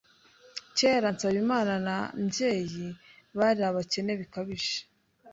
Kera Nsabimana na Mbyeyi bari abakene bikabije